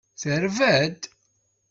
Terba-d.